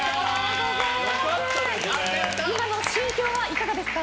今の心境はいかがですか？